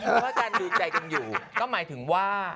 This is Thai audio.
เพราะว่าการดูใจกันอยู่ก็หมายถึงว่า